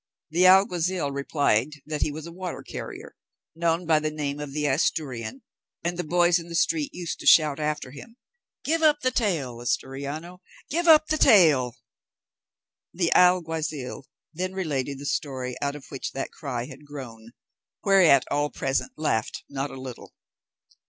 The alguazil replied that he was a water carrier, known by the name of the Asturian, and the boys in the street used to shout after him, "Give up the tail, Asturiano; give up the tail." The alguazil then related the story out of which that cry had grown, whereat all present laughed not a little.